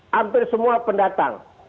hampir semua pendatang